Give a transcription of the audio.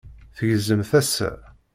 tgezzem tasa.